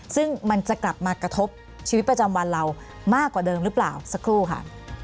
ซึ่งมันจะกลับมากระทบชีวิตประจำวันเรามากกว่าเดิมหรือเปล่าสักครู่ค่ะ